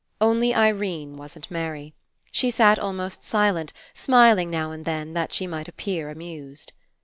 Only Irene wasn't merry. She sat almost silent, smiling now and then, that she might appear amused.